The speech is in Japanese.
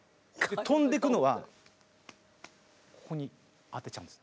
飛んでくのはここに当てちゃうんです。